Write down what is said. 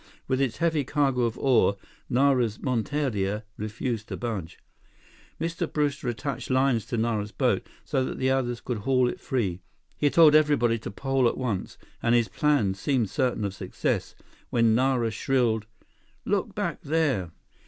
With its heavy cargo of ore, Nara's monteria refused to budge. Mr. Brewster attached lines to Nara's boat, so that the others could haul it free. He told everybody to pole at once, and his plan seemed certain of success, when Nara shrilled: "Look back there!"